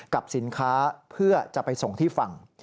กับสินค้าเพื่อจะไปส่งที่ฝั่ง